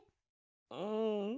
うん。